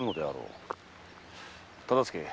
忠相。